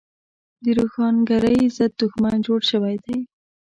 د روښانګرۍ ضد دښمن جوړ شوی دی.